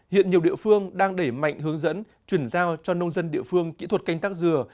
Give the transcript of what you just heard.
hiện nhiều địa phương đang đẩy mạnh hướng dẫn chuyển giao cho nông dân địa phương kỹ thuật canh tắc dừa